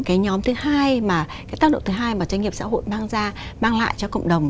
cái nhóm thứ hai mà cái tác động thứ hai mà doanh nghiệp xã hội mang ra mang lại cho cộng đồng